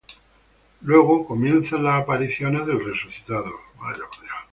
Luego comienzan las apariciones del resucitado.